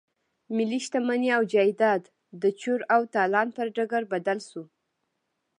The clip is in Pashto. ملي شتمني او جايداد د چور او تالان پر ډګر بدل شو.